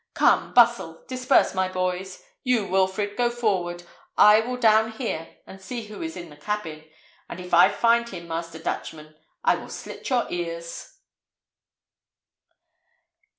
Come, bustle! disperse, my boys! You, Wilfred, go forward; I will down here and see who is in the cabin; and if I find him, Master Dutchman, I will slit your ears."